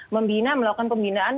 membina melakukan pembinaan